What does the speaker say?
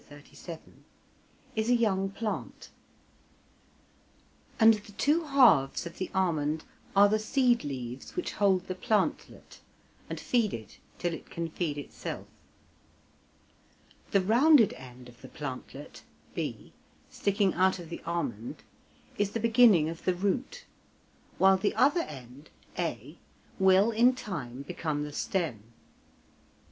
37) is a young plant, and the two halves of the almond are the seed leaves which hold the plantlet, and feed it till it can feed itself. The rounded end of the plantlet (b) sticking out of the almond, is the beginning of the root, while the other end (a) will in time become the stem.